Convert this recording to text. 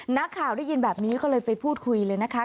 นักข่าวได้ยินแบบนี้เขาเลยไปพูดคุยเลยนะคะ